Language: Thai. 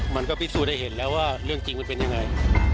มันก็พิสูจน์ได้เห็นแล้วว่าเรื่องจริงมันเป็นยังไง